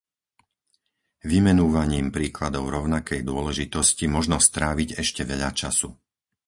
Vymenúvaním príkladov rovnakej dôležitosti možno stráviť ešte veľa času.